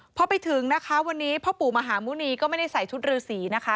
พอไปถึงนะคะวันนี้พ่อปู่มหาหมุณีก็ไม่ได้ใส่ชุดรือสีนะคะ